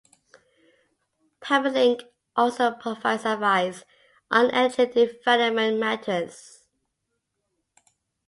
Paralink also provides advice on energy development matters.